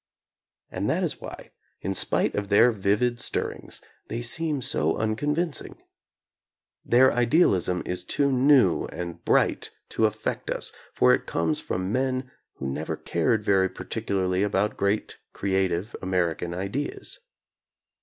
And that is why, in spite of their vivid stirrings, they seem so unconvincing. Their idealism is too new and bright to affect us, for it comes from men [ 107] who never cared very particularly about great creative American ideas.